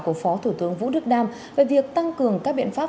của phó thủ tướng vũ đức đam về việc tăng cường các biện pháp